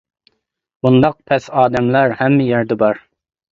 بۇنداق پەس ئادەملەر ھەممە يەردە بار.